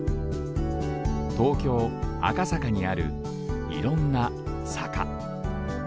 東京・赤坂にあるいろんな坂。